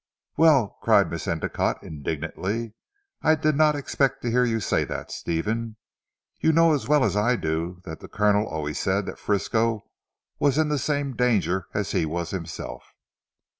"Well!" cried Miss Endicotte indignantly, "I did not expect to hear, you say that Stephen. You know as well as I do that the Colonel always said that Frisco was in the same danger as he was himself."